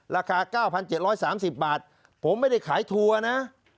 ราคา๙๗๓๐บาทผมไม่ได้ขายทัวร์นะ